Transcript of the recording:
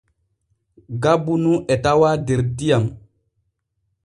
Gabbu nu e tawaa der diyam.